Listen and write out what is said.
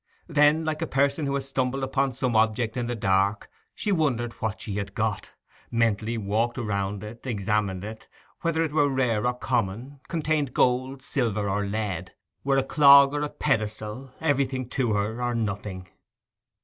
Then, like a person who has stumbled upon some object in the dark, she wondered what she had got; mentally walked round it, estimated it; whether it were rare or common; contained gold, silver, or lead; were a clog or a pedestal, everything to her or nothing.